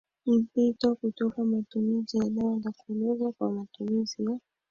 Mpito kutoka matumizi ya dawa za kulevya kwa matumizi ya